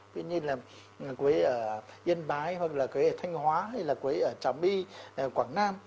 ví dụ như là quế ở yên bái hoặc là quế ở thanh hóa hay là quế ở trà my quảng nam